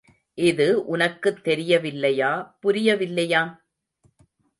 இது உனக்குத் தெரியவில்லையா, புரியவில்லையா?